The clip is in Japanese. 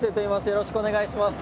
よろしくお願いします。